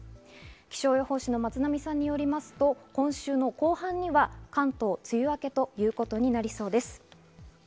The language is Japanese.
気象予報士の松並さんによると、今週の後半には関東梅雨明けということになりそうです。